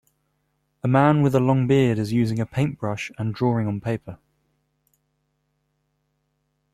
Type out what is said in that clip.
A man with a long beard is using a paintbrush and drawing on paper.